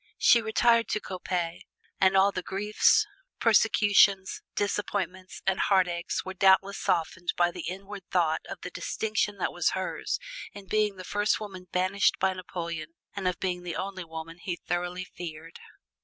She retired to Coppet, and all the griefs, persecutions, disappointments and heartaches were doubtless softened by the inward thought of the distinction that was hers in being the first woman banished by Napoleon and of being the only woman he thoroughly feared.